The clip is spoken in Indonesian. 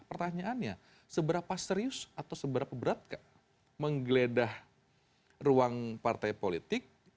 pertanyaannya seberapa serius atau seberapa berat menggeledah ruang partai politik